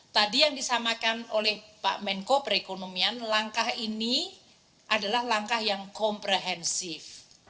tadi yang disamakan oleh pak menko perekonomian langkah ini adalah langkah yang komprehensif